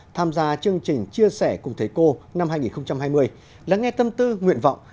tham gia chương trình chia sẻ cùng thầy cô năm hai nghìn hai mươi lắng nghe tâm tư nguyện vọng